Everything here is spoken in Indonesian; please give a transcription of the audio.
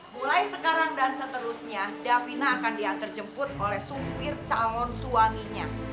mulai sekarang dan seterusnya davina akan diantar jemput oleh supir calon suaminya